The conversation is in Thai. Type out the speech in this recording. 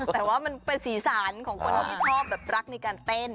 แต่ว่ามันเป็นสีสันของคนที่ชอบแบบรักในการเต้น